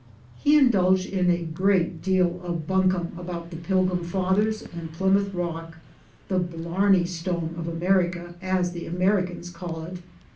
He indulged in a great deal of buncombe about the Pilgrim Fathers, and Plymouth Rock, the "Blarney stone of America," as the Americans call it.